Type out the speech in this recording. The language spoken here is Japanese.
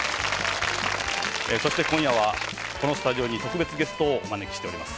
えーそして今夜はこのスタジオに特別ゲストをお招きしております。